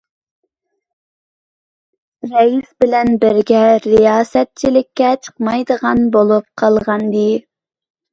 رەئىس بىلەن بىرگە رىياسەتچىلىككە چىقمايدىغان بولۇپ قالغانىدى.